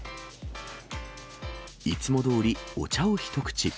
いつもどおり、お茶を一口。